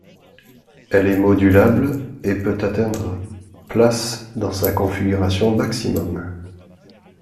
Elle est modulable et peut atteindre places dans sa configuration maximum.